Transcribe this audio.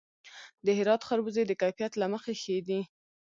د هرات خربوزې د کیفیت له مخې ښې دي.